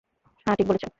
হ্যাঁ ঠিক বলেছেন।